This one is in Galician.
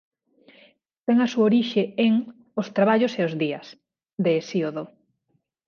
Ten a súa orixe en "Os traballos e os días" de Hesíodo.